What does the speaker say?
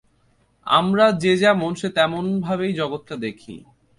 আমরা যে যেমন সে তেমন ভাবেই জগৎটা দেখি।